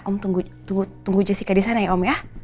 om tunggu jessica disana ya om ya